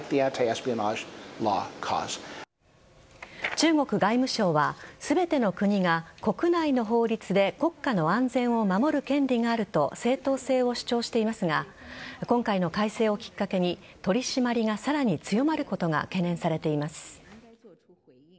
中国外務省は全ての国が国内の法律で国家の安全を守る権利があると正当性を主張していますが今回の改正をきっかけに取り締まりがさらに強まることが懸念されています。